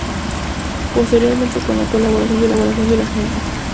Posteriormente se planta con la colaboración de la gente.